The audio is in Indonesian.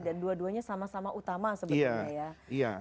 dan dua duanya sama sama utama